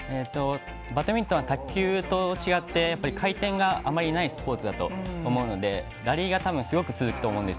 バドミントンは卓球と違って回転があまりないスポーツだと思うので、ラリーがすごく続くと思うんです。